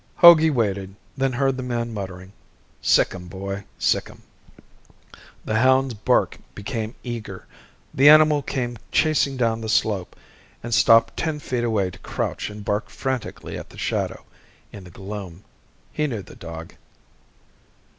Hogey waited, then heard the man muttering, "Sic 'im, boy, sic 'im." The hound's bark became eager. The animal came chasing down the slope, and stopped ten feet away to crouch and bark frantically at the shadow in the gloom. He knew the dog.